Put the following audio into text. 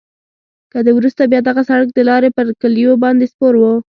له دې وروسته بیا دغه سړک د لارې پر کلیو باندې سپور وو.